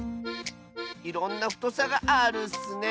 いろんなふとさがあるッスね。